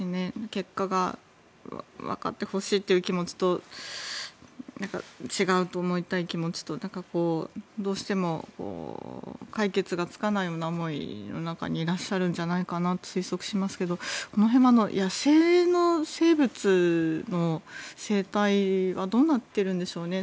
結果がわかってほしいという気持ちと違うと思いたい気持ちとどうしても解決がつかないような思いの中にいらっしゃるんじゃないかと推測しますがこの辺、野生の生物の生態はどうなっているんでしょうね。